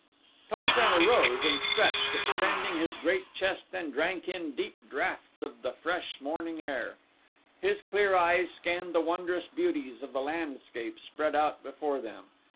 Tarzan arose and stretched, expanded his great chest and drank in deep draughts of the fresh morning air. His clear eyes scanned the wondrous beauties of the landscape spread out before them.